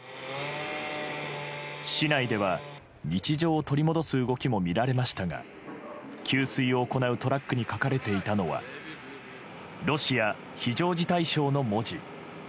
市内では日常を取り戻す動きも見られましたが給水を行うトラックに書かれていたのはロシア非常事態省の文字。